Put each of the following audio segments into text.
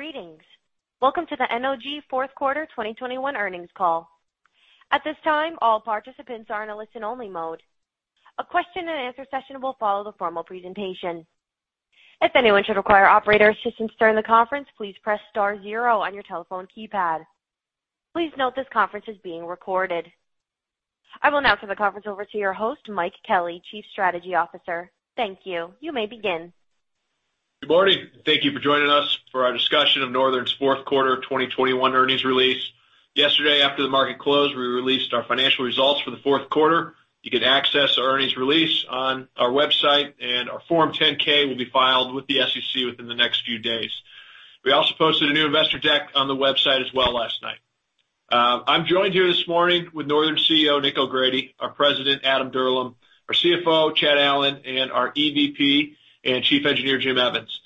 Greetings. Welcome to the NOG Q4 2021 earnings call. At this time, all participants are in a listen-only mode. A question-and-answer session will follow the formal presentation. If anyone should require operator assistance during the conference, please press star zero on your telephone keypad. Please note this conference is being recorded. I will now turn the conference over to your host, Mike Kelly, Chief Strategy Officer. Thank you. You may begin. Good morning. Thank you for joining us for our discussion of Northern's Q4 2021 earnings release. Yesterday, after the market closed, we released our financial results for the Q4. You can access our earnings release on our website, and our Form 10-K will be filed with the SEC within the next few days. We also posted a new investor deck on the website as well last night. I'm joined here this morning with Northern's CEO, Nick O'Grady, our President, Adam Dirlam, our CFO, Chad Allen, and our EVP and Chief Engineer, Jim Evans.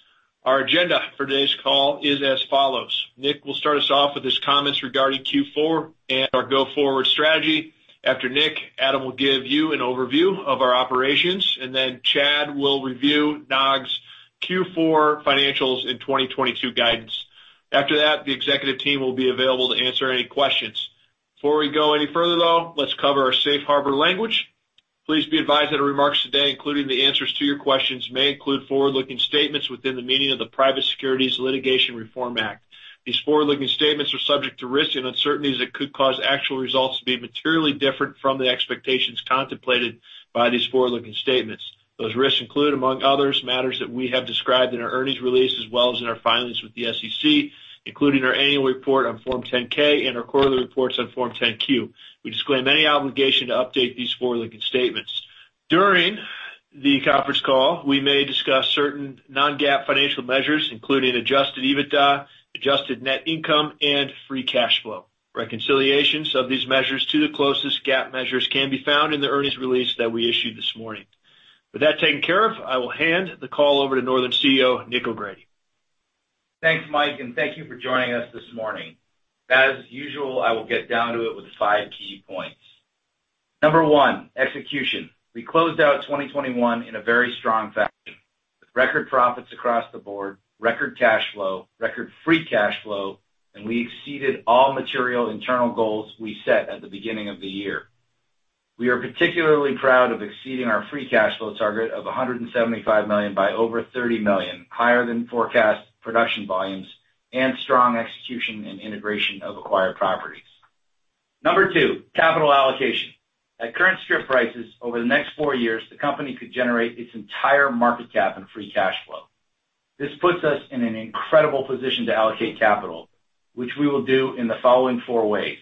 Our agenda for today's call is as follows. Nick will start us off with his comments regarding Q4 and our go-forward strategy. After Nick, Adam will give you an overview of our operations, and then Chad will review NOG's Q4 financials in 2022 guidance. After that, the executive team will be available to answer any questions. Before we go any further, though, let's cover our safe harbor language. Please be advised that our remarks today, including the answers to your questions, may include forward-looking statements within the meaning of the Private Securities Litigation Reform Act. These forward-looking statements are subject to risks and uncertainties that could cause actual results to be materially different from the expectations contemplated by these forward-looking statements. Those risks include, among others, matters that we have described in our earnings release as well as in our filings with the SEC, including our annual report on Form 10-K and our quarterly reports on Form 10-Q. We disclaim any obligation to update these forward-looking statements. During the conference call, we may discuss certain non-GAAP financial measures, including adjusted EBITDA, adjusted net income, and free cash flow. Reconciliations of these measures to the closest GAAP measures can be found in the earnings release that we issued this morning. With that taken care of, I will hand the call over to Northern CEO, Nick O'Grady. Thanks, Mike, and thank you for joining us this morning. As usual, I will get down to it with five key points. Number one, execution. We closed out 2021 in a very strong fashion, with record profits across the board, record cash flow, record free cash flow, and we exceeded all material internal goals we set at the beginning of the year. We are particularly proud of exceeding our free cash flow target of $175 million by over $30 million, higher than forecast production volumes and strong execution and integration of acquired properties. Number two, capital allocation. At current strip prices, over the next four years, the company could generate its entire market cap and free cash flow. This puts us in an incredible position to allocate capital, which we will do in the following four ways.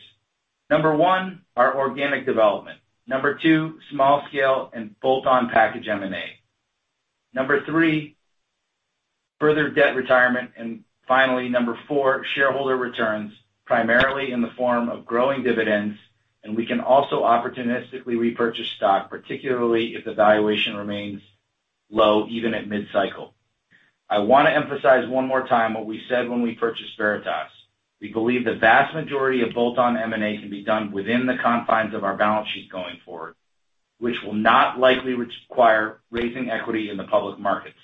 Number one, our organic development. Number two, small scale and bolt-on package M&A. Number three, further debt retirement. Finally, number four, shareholder returns, primarily in the form of growing dividends, and we can also opportunistically repurchase stock, particularly if the valuation remains low even at mid-cycle. I wanna emphasize one more time what we said when we purchased Veritas. We believe the vast majority of bolt-on M&A can be done within the confines of our balance sheet going forward, which will not likely require raising equity in the public markets.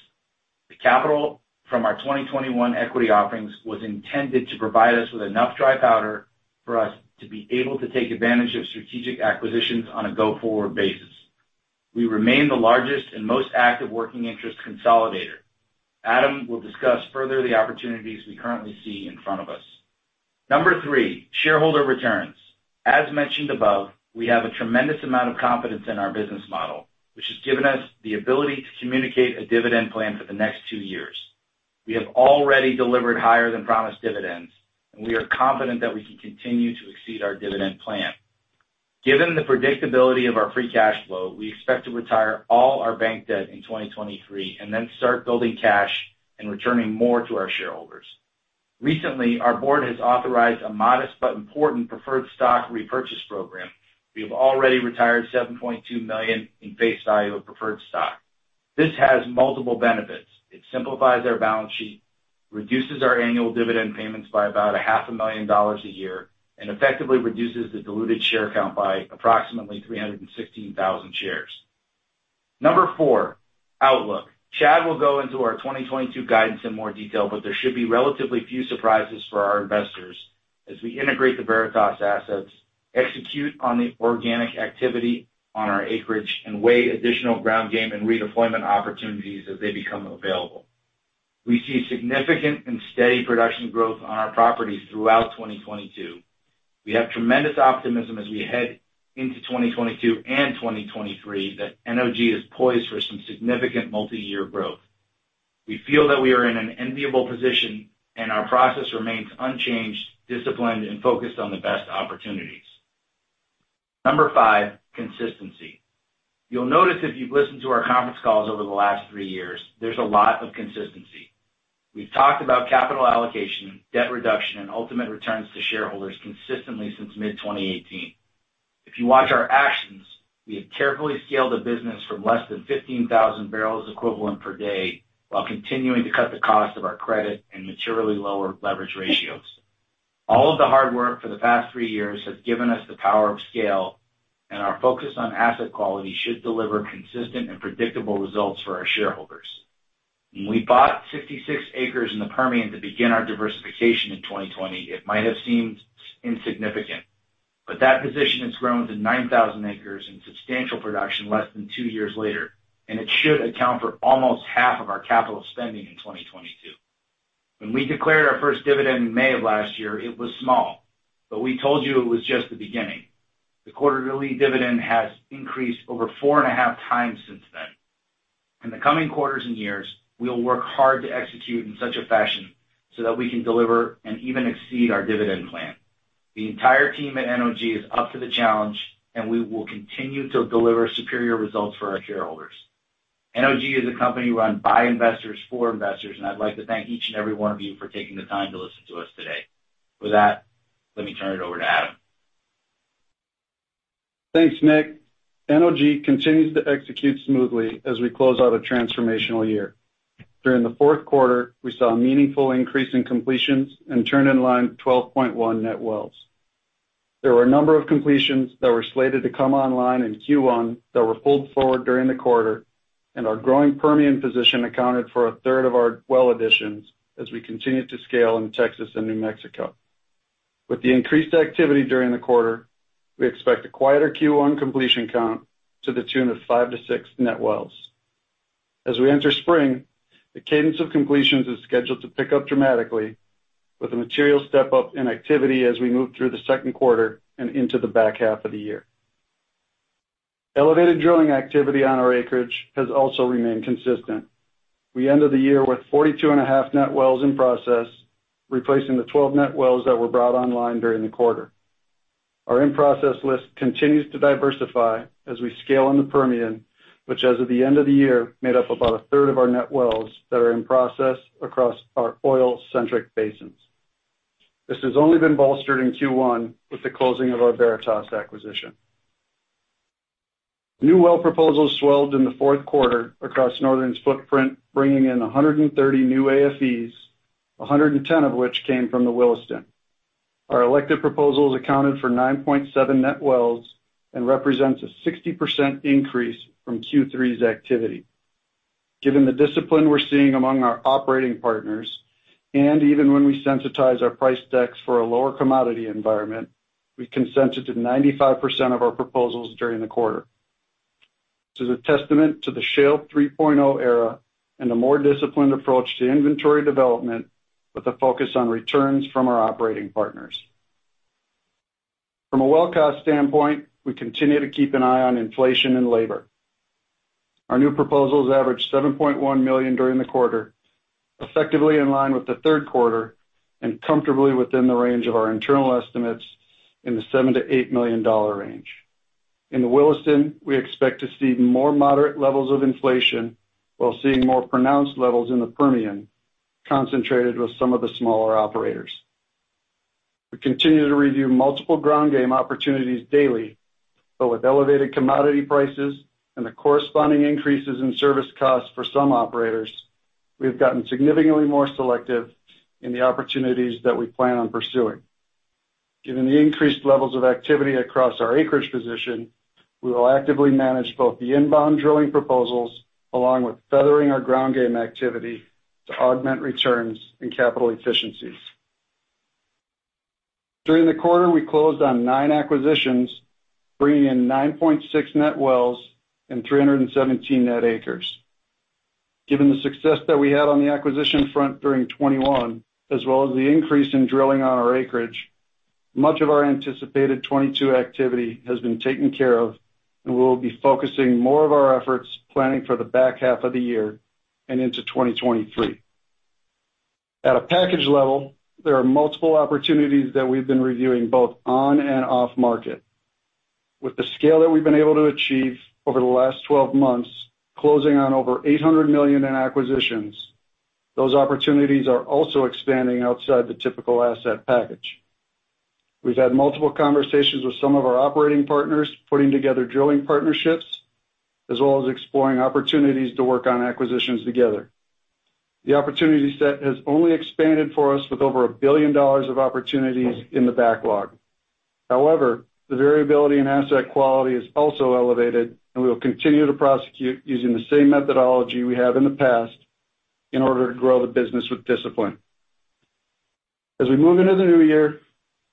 The capital from our 2021 equity offerings was intended to provide us with enough dry powder for us to be able to take advantage of strategic acquisitions on a go-forward basis. We remain the largest and most active working interest consolidator. Adam will discuss further the opportunities we currently see in front of us. Number three, shareholder returns. As mentioned above, we have a tremendous amount of confidence in our business model, which has given us the ability to communicate a dividend plan for the next two years. We have already delivered higher than promised dividends, and we are confident that we can continue to exceed our dividend plan. Given the predictability of our free cash flow, we expect to retire all our bank debt in 2023 and then start building cash and returning more to our shareholders. Recently, our board has authorized a modest but important preferred stock repurchase program. We have already retired $7.2 million in face value of preferred stock. This has multiple benefits. It simplifies our balance sheet, reduces our annual dividend payments by about a $500,000 a year, and effectively reduces the diluted share count by approximately 316,000 shares. Number four, outlook. Chad will go into our 2022 guidance in more detail, but there should be relatively few surprises for our investors as we integrate the Veritas assets, execute on the organic activity on our acreage, and weigh additional ground game and redeployment opportunities as they become available. We see significant and steady production growth on our properties throughout 2022. We have tremendous optimism as we head into 2022 and 2023 that NOG is poised for some significant multiyear growth. We feel that we are in an enviable position, and our process remains unchanged, disciplined, and focused on the best opportunities. Number five, consistency. You'll notice if you've listened to our conference calls over the last three years, there's a lot of consistency. We've talked about capital allocation, debt reduction, and ultimate returns to shareholders consistently since mid-2018. If you watch our actions, we have carefully scaled a business from less than 15,000 barrels equivalent per day while continuing to cut the cost of our credit and materially lower leverage ratios. All of the hard work for the past three years has given us the power of scale, and our focus on asset quality should deliver consistent and predictable results for our shareholders. When we bought 66 acres in the Permian to begin our diversification in 2020, it might have seemed insignificant, but that position has grown to 9,000 acres in substantial production less than two years later, and it should account for almost half of our capital spending in 2022. When we declared our first dividend in May of last year, it was small, but we told you it was just the beginning. The quarterly dividend has increased over four and a half times since then. In the coming quarters and years, we'll work hard to execute in such a fashion so that we can deliver and even exceed our dividend plan. The entire team at NOG is up to the challenge, and we will continue to deliver superior results for our shareholders. NOG is a company run by investors, for investors, and I'd like to thank each and every one of you for taking the time to listen to us today. With that, let me turn it over to Adam. Thanks, Nick. NOG continues to execute smoothly as we close out a transformational year. During the Q4, we saw a meaningful increase in completions and turned in line 12.1 net wells. There were a number of completions that were slated to come online in Q1 that were pulled forward during the quarter, and our growing Permian position accounted for a third of our well additions as we continued to scale in Texas and New Mexico. With the increased activity during the quarter, we expect a quieter Q1 completion count to the tune of five-six net wells. As we enter spring, the cadence of completions is scheduled to pick up dramatically with a material step up in activity as we move through the Q2 and into the back half of the year. Elevated drilling activity on our acreage has also remained consistent. We ended the year with 42.5 net wells in process, replacing the 12 net wells that were brought online during the quarter. Our in-process list continues to diversify as we scale in the Permian, which as of the end of the year, made up about a third of our net wells that are in process across our oil-centric basins. This has only been bolstered in Q1 with the closing of our Veritas acquisition. New well proposals swelled in the Q4 across Northern's footprint, bringing in 130 new AFEs, 110 of which came from the Williston. Our elected proposals accounted for 9.7 net wells and represents a 60% increase from Q3's activity. Given the discipline we're seeing among our operating partners, and even when we sensitize our price decks for a lower commodity environment, we consented to 95% of our proposals during the quarter. This is a testament to the Shale 3.0 era and a more disciplined approach to inventory development with a focus on returns from our operating partners. From a well cost standpoint, we continue to keep an eye on inflation and labor. Our new proposals averaged $7.1 million during the quarter, effectively in line with the Q3 and comfortably within the range of our internal estimates in the $7 million-$8 million range. In the Williston, we expect to see more moderate levels of inflation while seeing more pronounced levels in the Permian, concentrated with some of the smaller operators. We continue to review multiple ground game opportunities daily, but with elevated commodity prices and the corresponding increases in service costs for some operators, we've gotten significantly more selective in the opportunities that we plan on pursuing. Given the increased levels of activity across our acreage position, we will actively manage both the inbound drilling proposals along with feathering our ground game activity to augment returns and capital efficiencies. During the quarter, we closed on nine acquisitions, bringing in 9.6 net wells and 317 net acres. Given the success that we had on the acquisition front during 2021, as well as the increase in drilling on our acreage, much of our anticipated 2022 activity has been taken care of, and we will be focusing more of our efforts planning for the back half of the year and into 2023. At a package level, there are multiple opportunities that we've been reviewing both on and off market. With the scale that we've been able to achieve over the last 12 months, closing on over $800 million in acquisitions, those opportunities are also expanding outside the typical asset package. We've had multiple conversations with some of our operating partners, putting together drilling partnerships, as well as exploring opportunities to work on acquisitions together. The opportunity set has only expanded for us with over $1 billion of opportunities in the backlog. However, the variability in asset quality is also elevated, and we will continue to prosecute using the same methodology we have in the past in order to grow the business with discipline. As we move into the new year,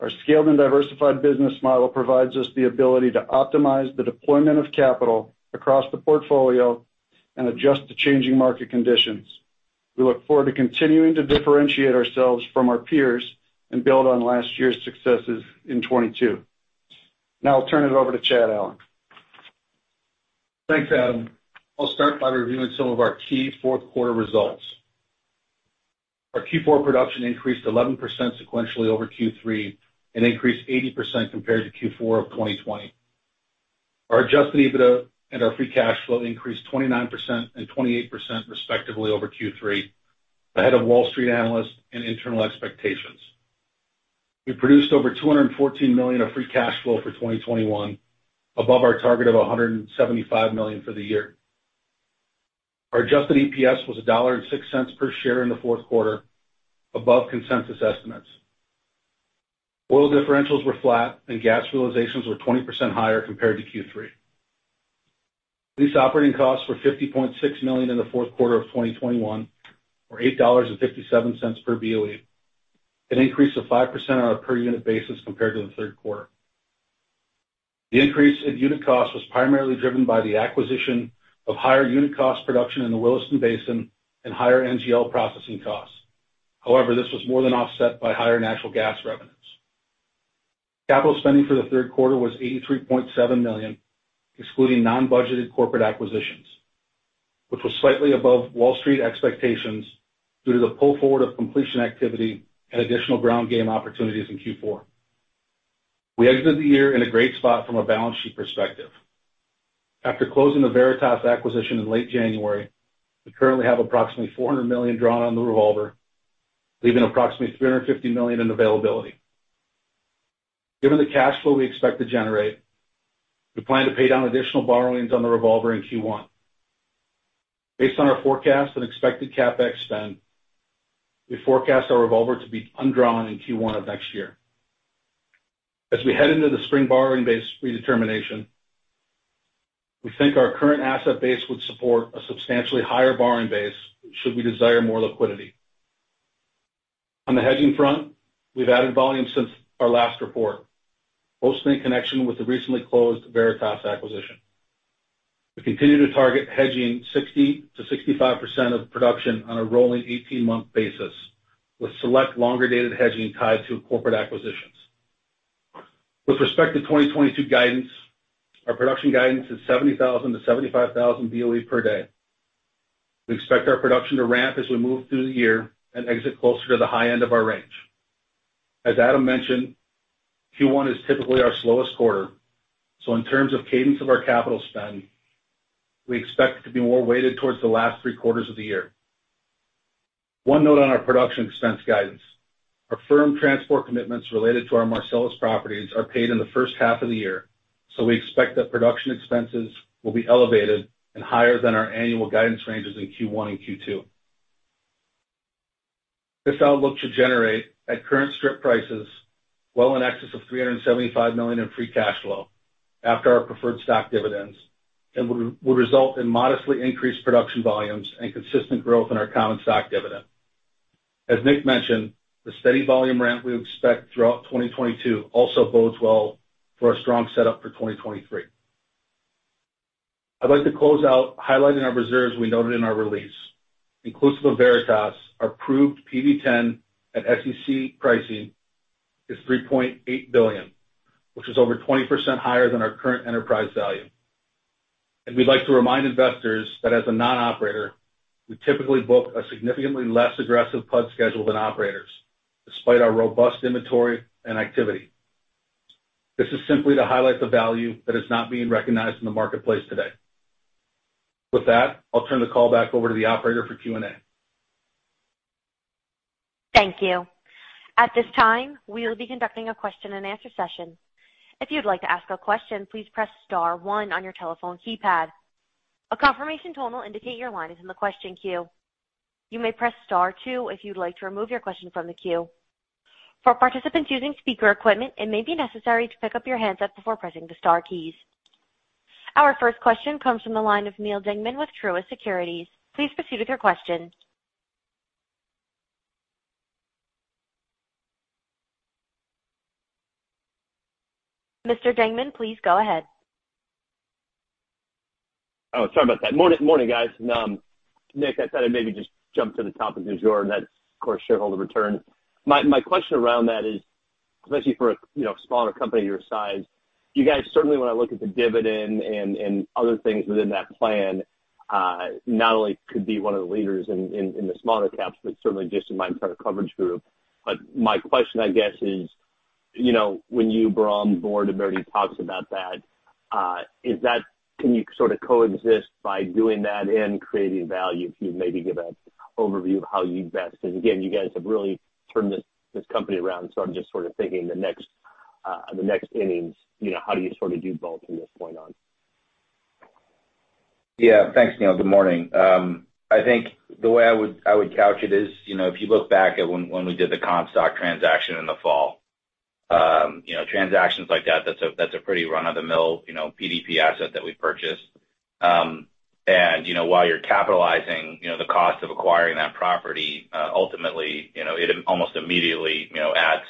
our scaled and diversified business model provides us the ability to optimize the deployment of capital across the portfolio and adjust to changing market conditions. We look forward to continuing to differentiate ourselves from our peers and build on last year's successes in 2022. Now I'll turn it over to Chad Allen. Thanks, Adam. I'll start by reviewing some of our key Q4 results. Our Q4 production increased 11% sequentially over Q3 and increased 80% compared to Q4 of 2020. Our adjusted EBITDA and our free cash flow increased 29% and 28%, respectively, over Q3, ahead of Wall Street analysts and internal expectations. We produced over $214 million of free cash flow for 2021, above our target of $175 million for the year. Our adjusted EPS was $1.06 per share in the Q4, above consensus estimates. Oil differentials were flat and gas realizations were 20% higher compared to Q3. These operating costs were $50.6 million in the Q4 of 2021 or $8.57 per BOE, an increase of 5% on a per unit basis compared to the Q3. The increase in unit cost was primarily driven by the acquisition of higher unit cost production in the Williston Basin and higher NGL processing costs. However, this was more than offset by higher natural gas revenues. Capital spending for the Q3 was $83.7 million, excluding non-budgeted corporate acquisitions, which was slightly above Wall Street expectations due to the pull forward of completion activity and additional ground game opportunities in Q4. We exited the year in a great spot from a balance sheet perspective. After closing the Veritas acquisition in late January, we currently have approximately $400 million drawn on the revolver, leaving approximately $350 million in availability. Given the cash flow we expect to generate, we plan to pay down additional borrowings on the revolver in Q1. Based on our forecast and expected CapEx spend, we forecast our revolver to be undrawn in Q1 of next year. As we head into the spring borrowing base redetermination, we think our current asset base would support a substantially higher borrowing base should we desire more liquidity. On the hedging front, we've added volume since our last report, mostly in connection with the recently closed Veritas acquisition. We continue to target hedging 60%-65% of production on a rolling 18-month basis, with select longer-dated hedging tied to corporate acquisitions. With respect to 2022 guidance, our production guidance is 70,000-75,000 BOE per day. We expect our production to ramp as we move through the year and exit closer to the high end of our range. As Adam mentioned, Q1 is typically our slowest quarter, so in terms of cadence of our capital spend, we expect it to be more weighted towards the last three quarters of the year. One note on our production expense guidance. Our firm transport commitments related to our Marcellus properties are paid in the first half of the year, so we expect that production expenses will be elevated and higher than our annual guidance ranges in Q1 and Q2. This outlook should generate, at current strip prices, well in excess of $375 million in free cash flow after our preferred stock dividends and will result in modestly increased production volumes and consistent growth in our common stock dividend. As Nick mentioned, the steady volume ramp we expect throughout 2022 also bodes well for a strong setup for 2023. I'd like to close out highlighting our reserves we noted in our release. Inclusive of Veritas, our proved PV-10 at SEC pricing is $3.8 billion, which is over 20% higher than our current enterprise value. We'd like to remind investors that as a non-operator, we typically book a significantly less aggressive PUD schedule than operators despite our robust inventory and activity. This is simply to highlight the value that is not being recognized in the marketplace today. With that, I'll turn the call back over to the operator for Q&A. Thank you. At this time, we'll be conducting a question-and-answer session. If you'd like to ask a question, please press star one on your telephone keypad. A confirmation tone will indicate your line is in the question queue. You may press star two if you'd like to remove your question from the queue. For participants using speaker equipment, it may be necessary to pick up your handset before pressing the star keys. Our first question comes from the line of Neal Dingmann with Truist Securities. Please proceed with your question. Mr. Dingman, please go ahead. Oh, sorry about that. Morning, guys. Nick, I thought I'd maybe just jump to the top of du jour, and that's, of course, shareholder return. My question around that is, especially for, you know, a smaller company your size, you guys certainly, when I look at the dividend and other things within that plan, not only could be one of the leaders in the smaller caps, but certainly just in my entire coverage group. My question, I guess is, you know, when you were on board and Bernie talks about that, is that? Can you sort of coexist by doing that and creating value? If you maybe give an overview of how you invest. Again, you guys have really turned this company around. I'm just sort of thinking the next innings, you know, how do you sort of do both from this point on? Yeah. Thanks, Neal. Good morning. I think the way I would couch it is, you know, if you look back at when we did the Comstock transaction in the fall, you know, transactions like that's a pretty run-of-the-mill, you know, PDP asset that we purchased. And, you know, while you're capitalizing, you know, the cost of acquiring that property, ultimately, you know, it almost immediately, you know, adds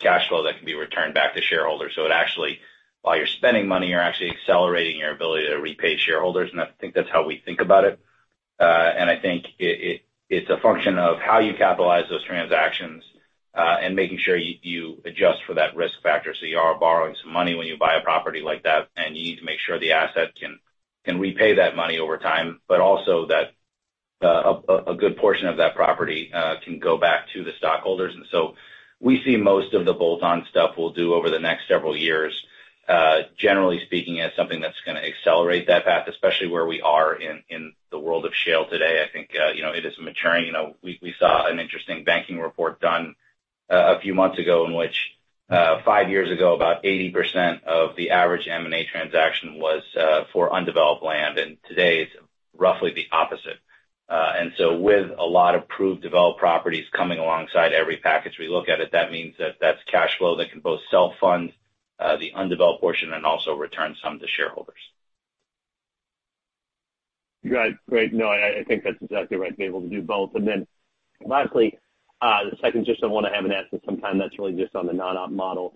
cash flow that can be returned back to shareholders. So it actually, while you're spending money, you're actually accelerating your ability to repay shareholders. I think that's how we think about it. I think it's a function of how you capitalize those transactions, and making sure you adjust for that risk factor. You are borrowing some money when you buy a property like that, and you need to make sure the asset can repay that money over time, but also that a good portion of that property can go back to the stockholders. We see most of the bolt-on stuff we'll do over the next several years, generally speaking, as something that's gonna accelerate that path, especially where we are in the world of shale today. I think, you know, it is maturing. You know, we saw an interesting banking report done. Five years ago, about 80% of the average M&A transaction was for undeveloped land, and today it's roughly the opposite. With a lot of proved developed properties coming alongside every package we look at it, that means that that's cash flow that can both self-fund the undeveloped portion and also return some to shareholders. Right. Great. No, I think that's exactly right, to be able to do both. Then lastly, the second just I want to have an answer sometime that's really just on the non-op model.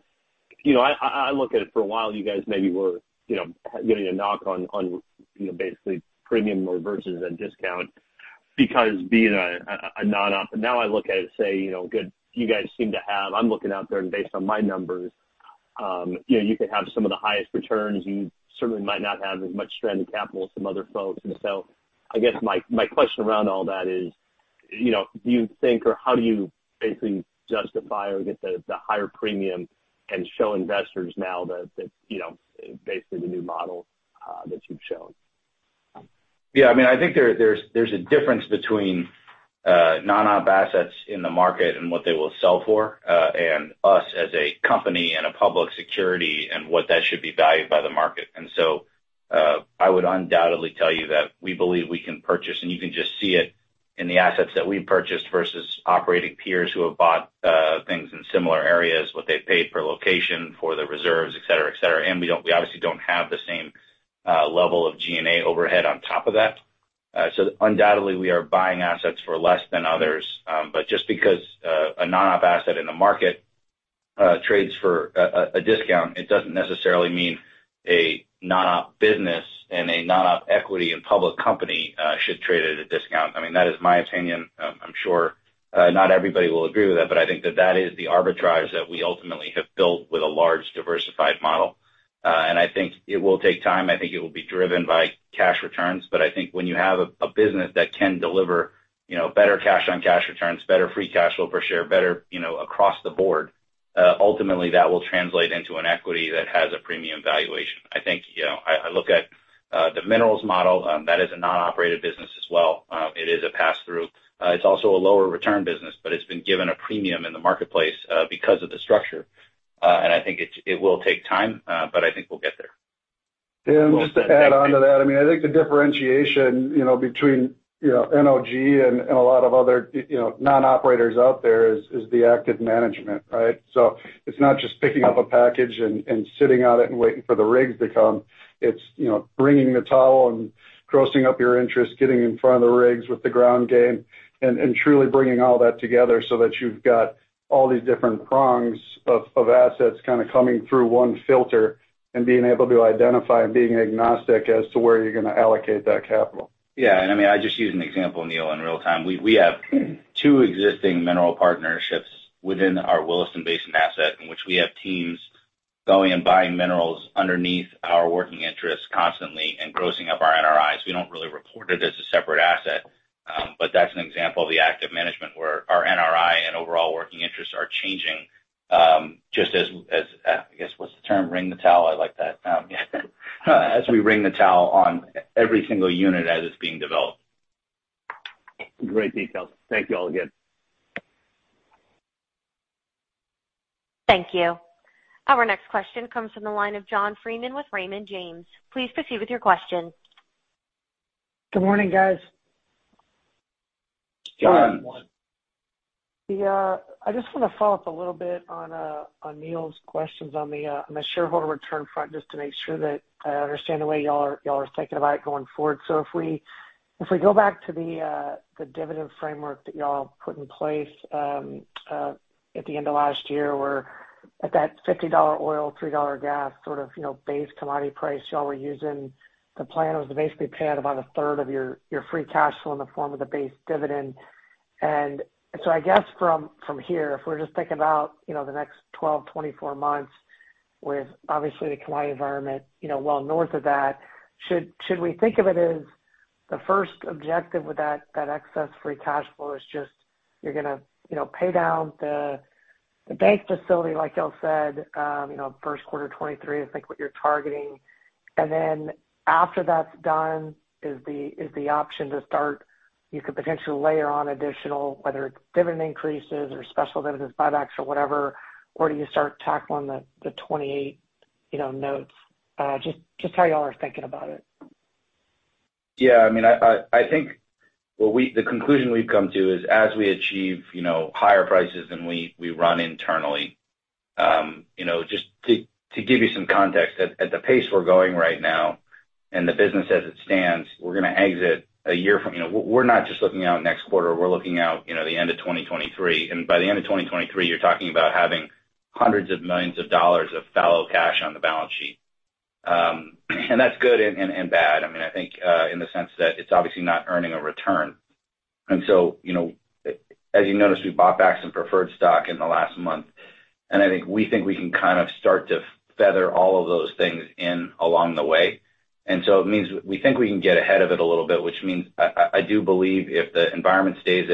You know, I look at it for a while, you guys maybe were, you know, getting a knock on, you know, basically premium versus a discount because being a non-op. Now I look at it and say, you know, good, you guys seem to have. I'm looking out there and based on my numbers, you know, you could have some of the highest returns. You certainly might not have as much stranded capital as some other folks. I guess my question around all that is, you know, do you think or how do you basically justify or get the higher premium and show investors now that, you know, basically the new model that you've shown? Yeah. I mean, I think there's a difference between non-op assets in the market and what they will sell for, and us as a company and a public security and what that should be valued by the market. I would undoubtedly tell you that we believe we can purchase, and you can just see it in the assets that we purchased versus operating peers who have bought things in similar areas, what they paid per location for the reserves, et cetera, et cetera. We obviously don't have the same level of G&A overhead on top of that. Undoubtedly, we are buying assets for less than others. Just because a non-op asset in the market trades for a discount, it doesn't necessarily mean a non-op business and a non-op equity and public company should trade at a discount. I mean, that is my opinion. I'm sure not everybody will agree with that, but I think that is the arbitrage that we ultimately have built with a large diversified model. I think it will take time. I think it will be driven by cash returns. I think when you have a business that can deliver, you know, better cash on cash returns, better free cash flow per share, better, you know, across the board, ultimately, that will translate into an equity that has a premium valuation. I think, you know, I look at the minerals model that is a non-operated business as well. It is a pass-through. It's also a lower return business, but it's been given a premium in the marketplace because of the structure. I think it will take time, but I think we'll get there. Just to add on to that, I mean, I think the differentiation, you know, between, you know, NOG and a lot of other, you know, non-operators out there is the active management, right? It's not just picking up a package and sitting on it and waiting for the rigs to come. It's, you know, wringing the towel and grossing up your interest, getting in front of the rigs with the ground game and truly bringing all that together so that you've got all these different prongs of assets kind of coming through one filter and being able to identify and being agnostic as to where you're gonna allocate that capital. Yeah. I mean, I just use an example, Neal, in real time. We have two existing mineral partnerships within our Williston Basin asset in which we have teams going and buying minerals underneath our working interest constantly and grossing up our NRIs. We don't really report it as a separate asset, but that's an example of the active management where our NRI and overall working interests are changing, just as I guess, what's the term? Wring the towel. I like that. As we wring the towel on every single unit as it's being developed. Great details. Thank you all again. Thank you. Our next question comes from the line of John Freeman with Raymond James. Please proceed with your question. Good morning, guys. John. I just wanna follow up a little bit on Neal's questions on the shareholder return front, just to make sure that I understand the way you all are thinking about it going forward. If we go back to the dividend framework that you all put in place at the end of last year, where at that $50 oil, $3 gas sort of, you know, base commodity price you all were using, the plan was to basically pay out about a third of your free cash flow in the form of the base dividend. I guess from here, if we're just thinking about, you know, the next 12, 24 months with obviously the commodity environment, you know, well north of that, should we think of it as the first objective with that excess free cash flow is just you're gonna, you know, pay down the bank facility like you all said, you know, Q1 2023, I think what you're targeting. Then after that's done is the option to start. You could potentially layer on additional, whether it's dividend increases or special dividends, buybacks or whatever, or do you start tackling the 28, you know, notes? Just how you all are thinking about it. Yeah. I mean, I think the conclusion we've come to is as we achieve, you know, higher prices than we run internally, you know, just to give you some context, at the pace we're going right now and the business as it stands, we're gonna exit a year from now. You know, we're not just looking out next quarter, we're looking out, you know, the end of 2023. By the end of 2023, you're talking about having hundreds of millions of dollars fallow cash on the balance sheet. That's good and bad. I mean, I think in the sense that it's obviously not earning a return. You know, as you noticed, we bought back some preferred stock in the last month. I think we can kind of start to feather all of those things in along the way. It means we think we can get ahead of it a little bit, which means I do believe if the environment stays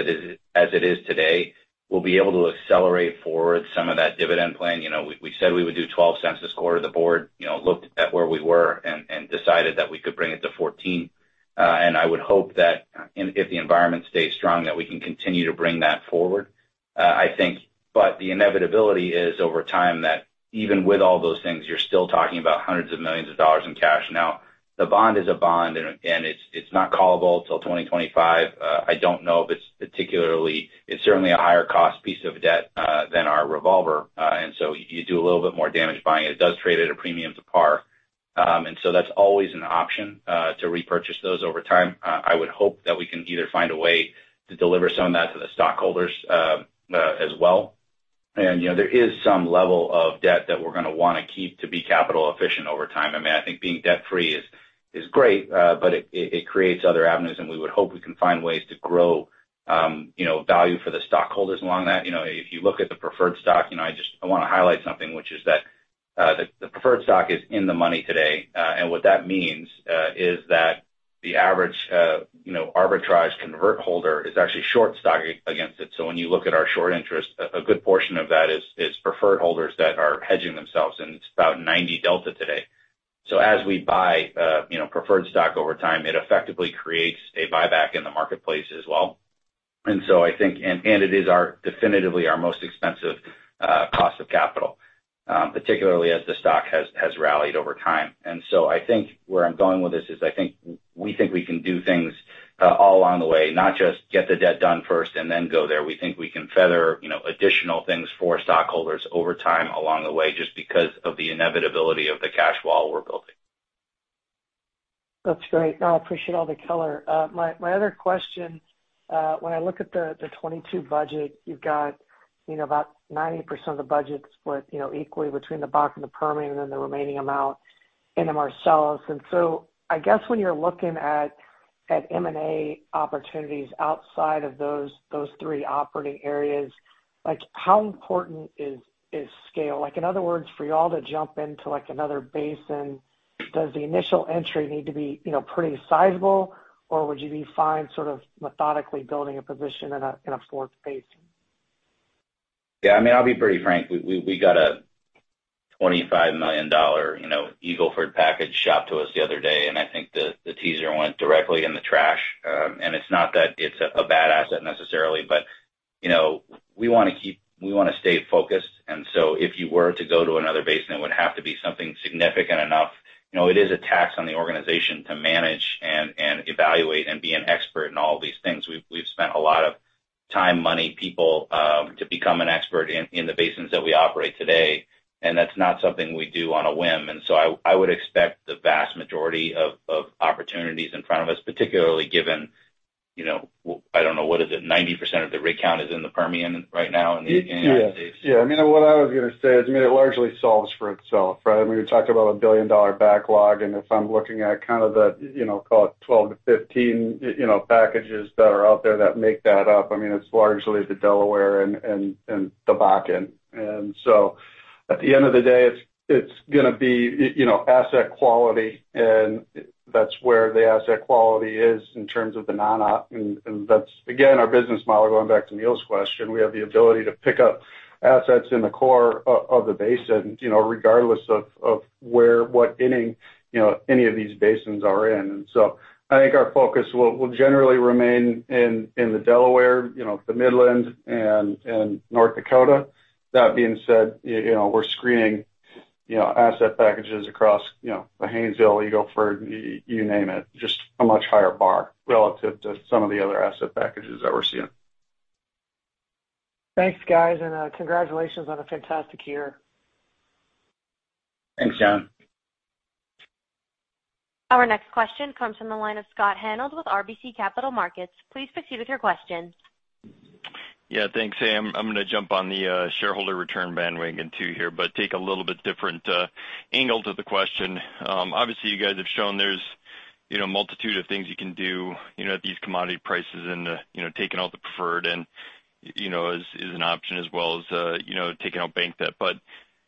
as it is today, we'll be able to accelerate forward some of that dividend plan. You know, we said we would do $0.12 this quarter. The board, you know, looked at where we were and decided that we could bring it to $0.14. I would hope that if the environment stays strong, that we can continue to bring that forward. I think the inevitability is over time that even with all those things, you're still talking about hundreds of millions of dollars in cash. Now the bond is a bond, and it's not callable till 2025. I don't know if it's particularly. It's certainly a higher cost piece of debt than our revolver. And so you do a little bit more damage buying it. It does trade at a premium to par. And so that's always an option to repurchase those over time. I would hope that we can either find a way to deliver some of that to the stockholders as well. You know, there is some level of debt that we're gonna wanna keep to be capital efficient over time. I mean, I think being debt free is great, but it creates other avenues, and we would hope we can find ways to grow value for the stockholders along that. You know, if you look at the preferred stock, you know, I wanna highlight something, which is that the preferred stock is in the money today. What that means is that the average, you know, arbitrage convert holder is actually short stock against it. When you look at our short interest, a good portion of that is preferred holders that are hedging themselves, and it's about 90 delta today. As we buy, you know, preferred stock over time, it effectively creates a buyback in the marketplace as well. I think it is definitely our most expensive cost of capital, particularly as the stock has rallied over time. I think where I'm going with this is I think we think we can do things all along the way, not just get the debt done first and then go there. We think we can feather, you know, additional things for stockholders over time along the way, just because of the inevitability of the cash wall we're building. That's great. No, I appreciate all the color. My other question, when I look at the 2022 budget, you've got, you know, about 90% of the budget split, you know, equally between the Bakken and the Permian, and then the remaining amount in the Marcellus. I guess when you're looking at M&A opportunities outside of those three operating areas, like how important is scale? Like in other words, for you all to jump into like another basin, does the initial entry need to be, you know, pretty sizable, or would you be fine sort of methodically building a position in a fourth basin? Yeah, I mean, I'll be pretty frank. We got a $25 million, you know, Eagle Ford package shopped to us the other day, and I think the teaser went directly in the trash. It's not that it's a bad asset necessarily, but, you know, we wanna stay focused. If you were to go to another basin, it would have to be something significant enough. You know, it is a tax on the organization to manage and evaluate and be an expert in all these things. We've spent a lot of time, money, people to become an expert in the basins that we operate today, and that's not something we do on a whim. I would expect the vast majority of opportunities in front of us, particularly given, you know, I don't know, what is it, 90% of the rig count is in the Permian right now in the United States? Yeah. I mean, what I was gonna say is, I mean, it largely solves for itself, right? I mean, we talked about $1 billion backlog, and if I'm looking at kind of the, you know, call it 12-15, you know, packages that are out there that make that up, I mean, it's largely the Delaware and the Bakken. At the end of the day, it's gonna be, you know, asset quality, and that's where the asset quality is in terms of the non-op. That's again, our business model, going back to Neal's question, we have the ability to pick up assets in the core of the basin, you know, regardless of what inning, you know, any of these basins are in. I think our focus will generally remain in the Delaware, you know, the Midland and North Dakota. That being said, you know, we're screening, you know, asset packages across, you know, the Haynesville, Eagle Ford, you name it, just a much higher bar relative to some of the other asset packages that we're seeing. Thanks, guys, and congratulations on a fantastic year. Thanks, John. Our next question comes from the line of Scott Hanold with RBC Capital Markets. Please proceed with your question. Yeah, thanks. Hey, I'm gonna jump on the shareholder return bandwagon too here, but take a little bit different angle to the question. Obviously, you guys have shown there's a multitude of things you can do at these commodity prices and taking out the preferred and is an option as well as taking out bank debt.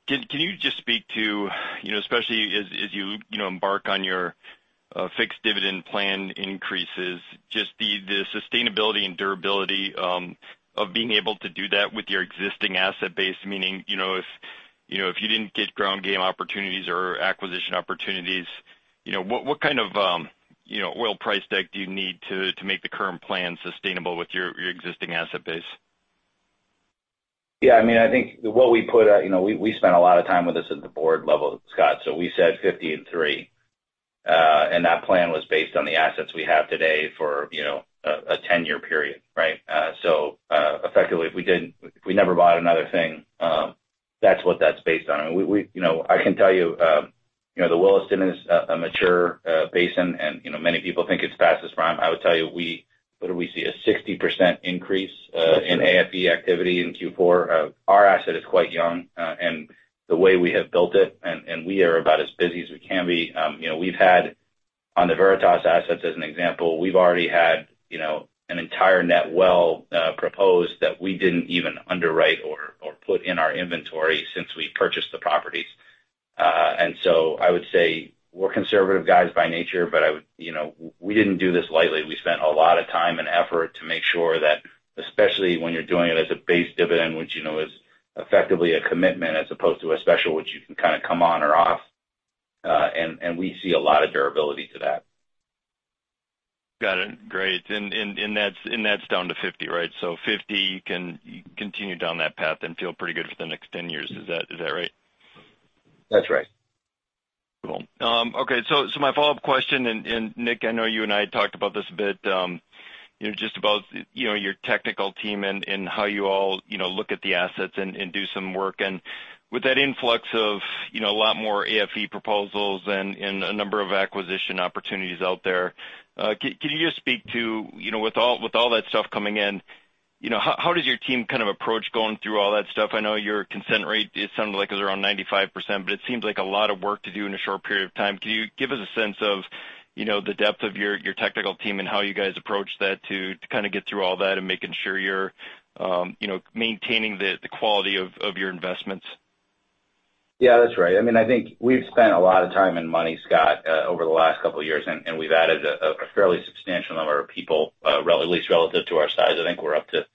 Can you just speak to, you know, especially as you know, embark on your fixed dividend plan increases, just the sustainability and durability of being able to do that with your existing asset base, meaning, you know, if you didn't get ground game opportunities or acquisition opportunities, you know, what kind of oil price deck do you need to make the current plan sustainable with your existing asset base? Yeah, I mean, I think what we put out, you know, we spent a lot of time with this at the board level, Scott, so we said 53. And that plan was based on the assets we have today for, you know, a 10-year period, right? So, effectively, if we never bought another thing, that's what that's based on. I mean, we, you know, I can tell you know, the Williston is a mature basin and, you know, many people think it's past its prime. I would tell you, what do we see, a 60% increase in AFE activity in Q4. Our asset is quite young, and the way we have built it, and we are about as busy as we can be. You know, we've had on the Veritas assets, as an example, we've already had, you know, an entire net well proposed that we didn't even underwrite or put in our inventory since we purchased the properties. I would say we're conservative guys by nature, but I would, you know, we didn't do this lightly. We spent a lot of time and effort to make sure that, especially when you're doing it as a base dividend, which, you know, is effectively a commitment as opposed to a special, which you can kind of come on or off. We see a lot of durability to that. Got it. Great. That's down to 50, right? 50 can continue down that path and feel pretty good for the next 10 years. Is that right? That's right. Cool. Okay. My follow-up question, and Nick, I know you and I talked about this a bit, you know, just about your technical team and how you all, you know, look at the assets and do some work. With that influx of, you know, a lot more AFE proposals and a number of acquisition opportunities out there, can you just speak to, you know, with all that stuff coming in, you know, how does your team kind of approach going through all that stuff? I know your consent rate, it sounded like it was around 95%, but it seems like a lot of work to do in a short period of time. Can you give us a sense of, you know, the depth of your technical team and how you guys approach that to kind of get through all that and making sure you're, you know, maintaining the quality of your investments? Yeah, that's right. I mean, I think we've spent a lot of time and money, Scott, over the last couple of years, and we've added a fairly substantial number of people, at least relative to our size. I think we're up to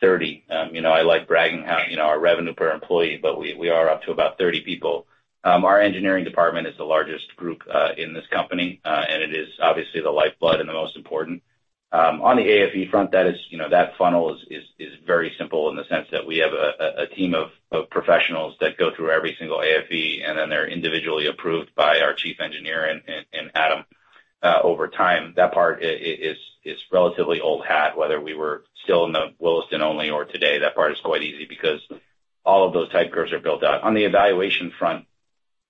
30. You know, I like bragging how our revenue per employee, but we are up to about 30 people. Our engineering department is the largest group in this company, and it is obviously the lifeblood and the most important. On the AFE front, that is, you know, that funnel is very simple in the sense that we have a team of professionals that go through every single AFE, and then they're individually approved by our Chief Engineer and Adam. Over time, that part is relatively old hat, whether we were still in the Williston only or today. That part is quite easy because all of those type curves are built out. On the evaluation front,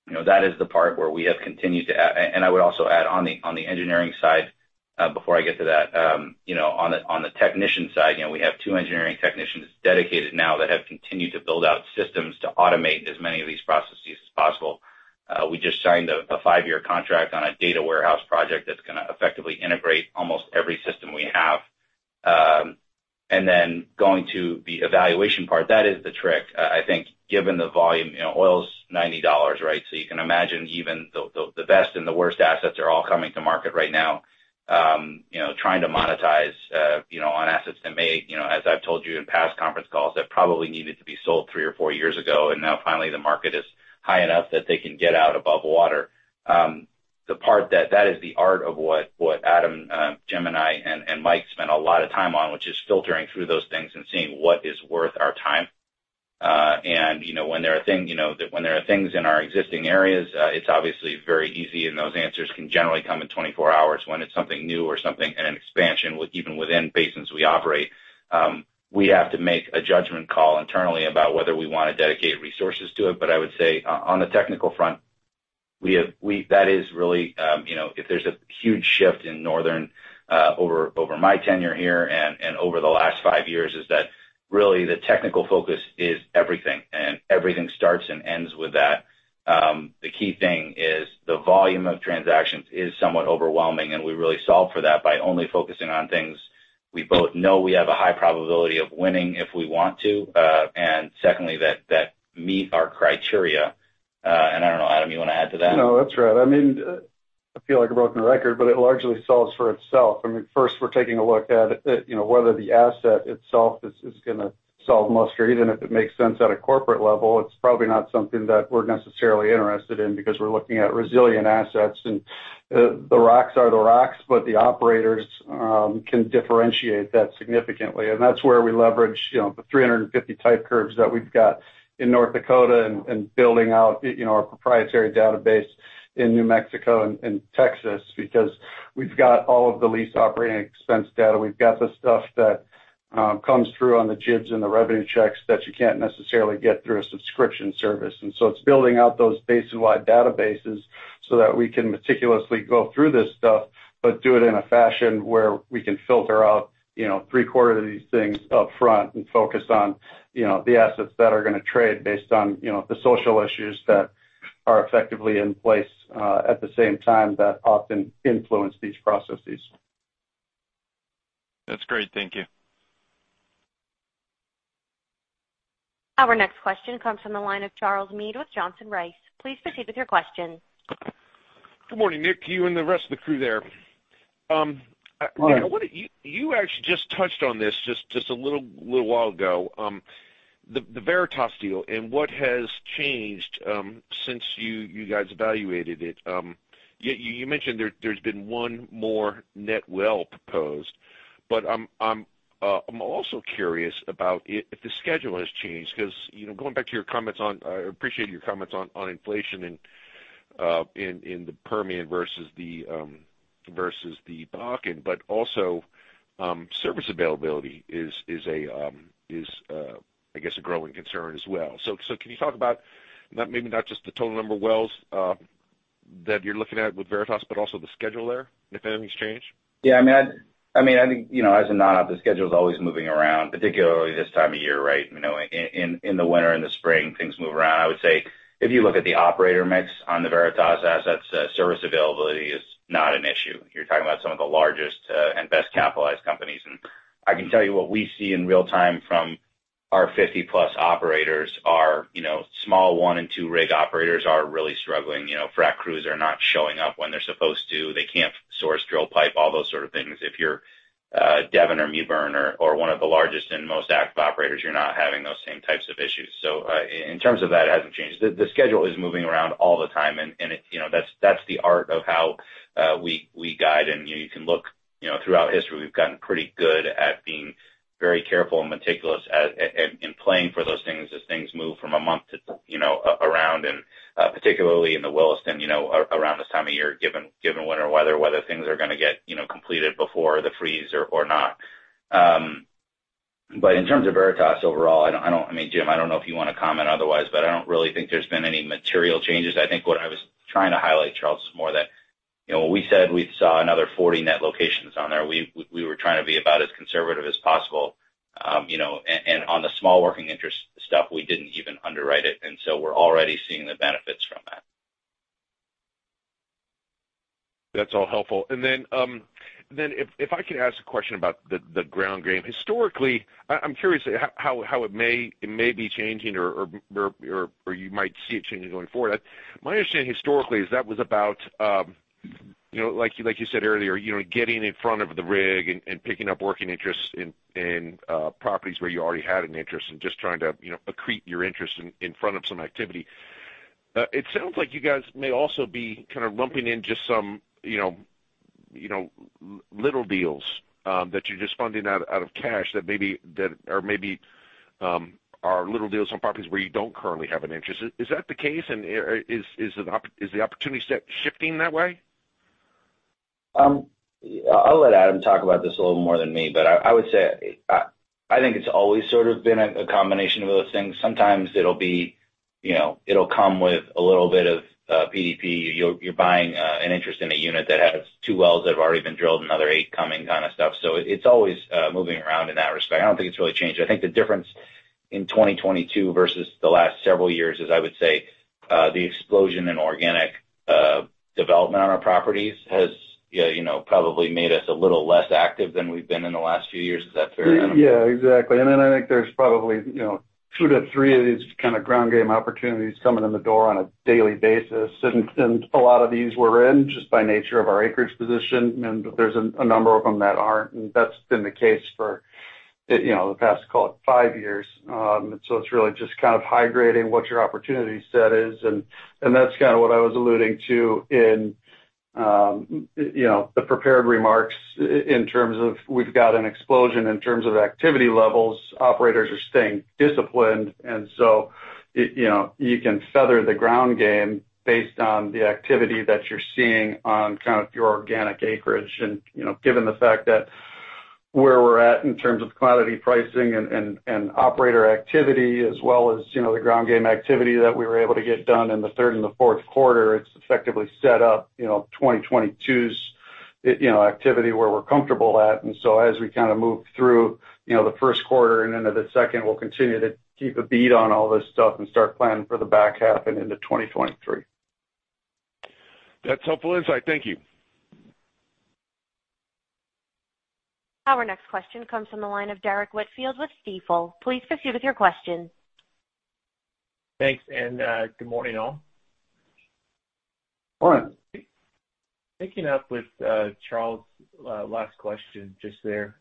you know, that is the part where we have continued to and I would also add on the engineering side, before I get to that, you know, on the technician side, you know, we have two engineering technicians dedicated now that have continued to build out systems to automate as many of these processes as possible. We just signed a five-year contract on a data warehouse project that's gonna effectively integrate almost every system we have. Then going to the evaluation part, that is the trick. I think given the volume, you know, oil's $90, right? You can imagine even the best and the worst assets are all coming to market right now, you know, trying to monetize, you know, on assets that may, you know, as I've told you in past conference calls, that probably needed to be sold three or four years ago, and now finally, the market is high enough that they can get out above water. The part that is the art of what Adam, Jim and I, and Mike spend a lot of time on, which is filtering through those things and seeing what is worth our time. You know, when there are things in our existing areas, it's obviously very easy, and those answers can generally come in 24 hours. When it's something new or something in an expansion with even within basins we operate, we have to make a judgment call internally about whether we wanna dedicate resources to it. I would say on the technical front, we have that is really, you know, if there's a huge shift in Northern over my tenure here and over the last five years, is that really the technical focus is everything, and everything starts and ends with that. The key thing is the volume of transactions is somewhat overwhelming, and we really solve for that by only focusing on things we both know we have a high probability of winning if we want to, and secondly, that meet our criteria. I don't know, Adam, you wanna add to that? No, that's right. I mean, I feel like a broken record, but it largely solves for itself. I mean, first we're taking a look at, you know, whether the asset itself is gonna pass muster. Even if it makes sense at a corporate level, it's probably not something that we're necessarily interested in because we're looking at resilient assets. The rocks are the rocks, but the operators can differentiate that significantly. That's where we leverage, you know, the 350 type curves that we've got in North Dakota and building out, you know, our proprietary database in New Mexico and Texas, because we've got all of the lease operating expense data. We've got the stuff that comes through on the JIBs and the revenue checks that you can't necessarily get through a subscription service. It's building out those basin-wide databases so that we can meticulously go through this stuff, but do it in a fashion where we can filter out, you know, three-quarters of these things up front and focus on, you know, the assets that are gonna trade based on, you know, the social issues that are effectively in place, at the same time that often influence these processes. That's great. Thank you. Our next question comes from the line of Charles Meade with Johnson Rice. Please proceed with your question. Good morning, Nick, to you and the rest of the crew there. Morning. You know what? You actually just touched on this just a little while ago. The Veritas deal and what has changed since you guys evaluated it. You mentioned there's been one more net well proposed, but I'm also curious about if the schedule has changed because, you know, going back to your comments on, I appreciate your comments on inflation and in the Permian versus the Bakken, but also service availability is a growing concern as well. Can you talk about not, maybe not just the total number of wells that you're looking at with Veritas, but also the schedule there, if anything's changed? Yeah, I think, you know, as a nod, the schedule's always moving around, particularly this time of year, right? You know, in the winter and the spring, things move around. I would say if you look at the operator mix on the Veritas assets, service availability is not an issue. You're talking about some of the largest and best-capitalized companies. I can tell you what we see in real time from our 50-plus operators are, you know, small one and two rig operators are really struggling. You know, frac crews are not showing up when they're supposed to. They can't source drill pipe, all those sort of things. If you're Devon or Mewbourne or one of the largest and most active operators, you're not having those same types of issues. In terms of that, it hasn't changed. The schedule is moving around all the time. You know, that's the art of how we guide. You know, you can look throughout history, we've gotten pretty good at being very careful and meticulous in playing for those things as things move from a month to around, particularly in the Williston, you know, around this time of year, given winter weather, whether things are gonna get completed before the freeze or not. In terms of Veritas overall, I mean, Jim, I don't know if you wanna comment otherwise, but I don't really think there's been any material changes. I think what I was trying to highlight, Charles Meade, is more that, you know, when we said we saw another 40 net locations on there, we were trying to be about as conservative as possible, you know. On the small working interest stuff, we didn't even underwrite it, and so we're already seeing the benefits from that. That's all helpful. If I could ask a question about the ground game. Historically, I'm curious how it may be changing or you might see it changing going forward. My understanding historically is that was about you know like you said earlier you know getting in front of the rig and picking up working interests in properties where you already had an interest and just trying to you know accrete your interest in front of some activity. It sounds like you guys may also be kind of lumping in just some you know little deals that you're just funding out of cash that maybe or maybe are little deals on properties where you don't currently have an interest. Is that the case? Is the opportunity set shifting that way? I'll let Adam talk about this a little more than me, but I would say I think it's always sort of been a combination of those things. Sometimes it'll be, you know, it'll come with a little bit of PDP. You're buying an interest in a unit that has two wells that have already been drilled, another eight coming kind of stuff. It's always moving around in that respect. I don't think it's really changed. I think the difference in 2022 versus the last several years is, I would say, the explosion in organic development on our properties has, you know, probably made us a little less active than we've been in the last few years. Is that fair, Adam? Yeah, exactly. Then I think there's probably, you know, two-three of these kind of ground game opportunities coming in the door on a daily basis. A lot of these we're in just by nature of our acreage position, and there's a number of them that aren't. That's been the case for, you know, the past, call it five years. So it's really just kind of high-grading what your opportunity set is. That's kind of what I was alluding to in, you know, the prepared remarks in terms of we've got an explosion in terms of activity levels. Operators are staying disciplined, and so it, you know, you can feather the ground game based on the activity that you're seeing on kind of your organic acreage. You know, given the fact that where we're at in terms of commodity pricing and operator activity as well as, you know, the ground game activity that we were able to get done in the third and the Q4, it's effectively set up, you know, 2022's, you know, activity where we're comfortable at. So as we kind of move through, you know, the Q1 and into the second, we'll continue to keep a bead on all this stuff and start planning for the back half and into 2023. That's helpful insight. Thank you. Our next question comes from the line of Derrick Whitfield with Stifel. Please proceed with your question. Thanks, and good morning, all. Morning. Picking up with Charles's last question just there,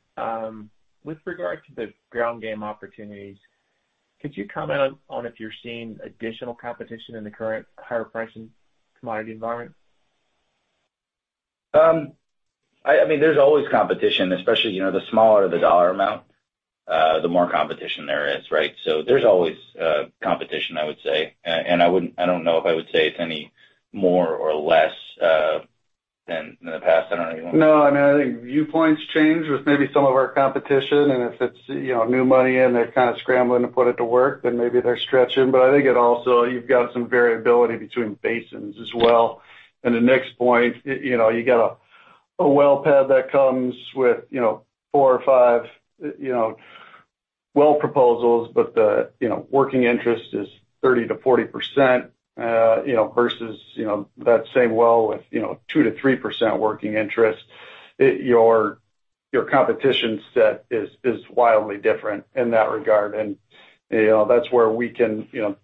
with regard to the ground game opportunities, could you comment on if you're seeing additional competition in the current higher pricing commodity environment? I mean, there's always competition, especially, you know, the smaller the dollar amount, the more competition there is, right? There's always competition, I would say. I don't know if I would say it's any more or less than in the past. I don't know. You wanna- No, I mean, I think viewpoints change with maybe some of our competition, and if it's, you know, new money in, they're kind of scrambling to put it to work, then maybe they're stretching. I think it also, you've got some variability between basins as well. The next point, you know, you got a well pad that comes with, you know, four or five, you know, well proposals, but the, you know, working interest is 30%-40%, you know, versus, you know, that same well with, you know, 2%-3% working interest. Your competition set is wildly different in that regard. You know, that's where we can, you know,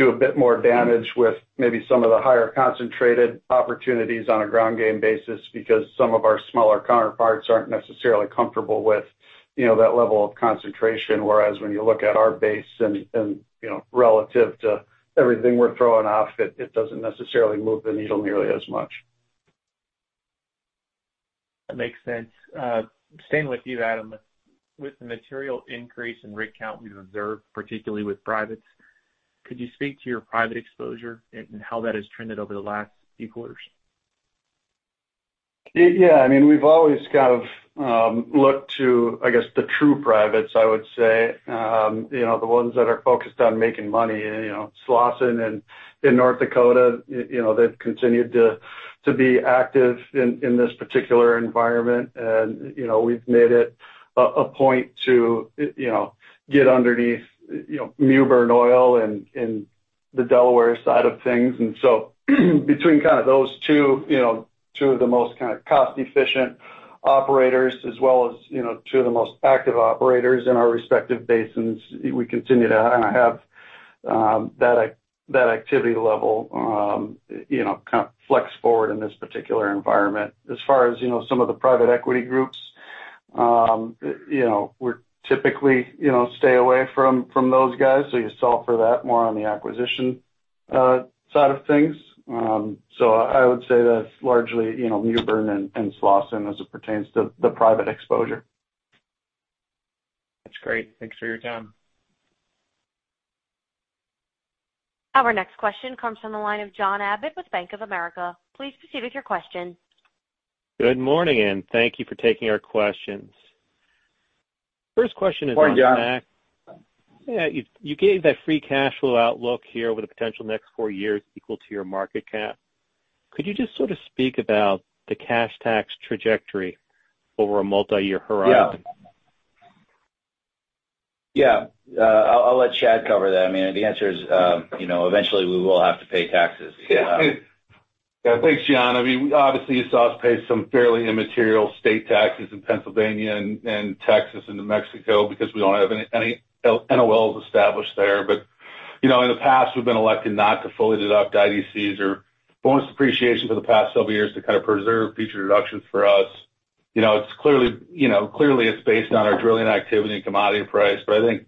do a bit more damage with maybe some of the higher concentrated opportunities on a ground game basis because some of our smaller counterparts aren't necessarily comfortable with, you know, that level of concentration, whereas when you look at our base and, you know, relative to everything we're throwing off, it doesn't necessarily move the needle nearly as much. That makes sense. Staying with you, Adam, with the material increase in rig count we've observed, particularly with privates, could you speak to your private exposure and how that has trended over the last few quarters? Yeah. I mean, we've always kind of looked to, I guess, the true privates, I would say, you know, the ones that are focused on making money. You know, Slawson in North Dakota, you know, they've continued to be active in this particular environment. You know, we've made it a point to, you know, get underneath, you know, Mewbourne Oil and The Delaware side of things. Between kind of those two, you know, two of the most kind of cost-efficient operators as well as, you know, two of the most active operators in our respective basins, we continue to have that activity level, you know, kind of flex forward in this particular environment. As far as, you know, some of the private equity groups, you know, we're typically, you know, stay away from those guys. You solve for that more on the acquisition side of things. I would say that's largely, you know, Mewbourne and Slawson as it pertains to the private exposure. That's great. Thanks for your time. Our next question comes from the line of John Abbott with Bank of America. Please proceed with your question. Good morning, and thank you for taking our questions. First question is on tax. Morning, John. Yeah. You gave that free cash flow outlook here over the potential next 4 years equal to your market cap. Could you just sort of speak about the cash tax trajectory over a multiyear horizon? Yeah. I'll let Chad cover that. I mean, the answer is, you know, eventually we will have to pay taxes. Yeah. Thanks, John. I mean, obviously, you saw us pay some fairly immaterial state taxes in Pennsylvania and Texas and New Mexico because we don't have any NOLs established there. You know, in the past, we've been elected not to fully deduct IDCs or bonus depreciation for the past several years to kind of preserve future deductions for us. You know, it's clearly based on our drilling activity and commodity price. I think,